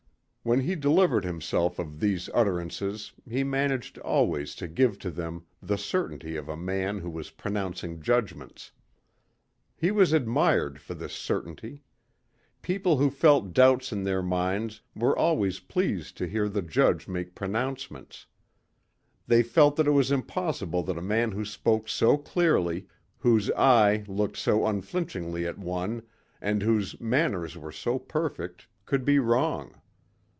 When he delivered himself of these utterances he managed always to give to them the certainty of a man who was pronouncing judgments. He was admired for this certainty. People who felt doubts in their minds were always pleased to hear the Judge make pronouncements. They felt that it was impossible that a man who spoke so clearly, whose eye looked so unflinchingly at one and whose manners were so perfect, could be wrong.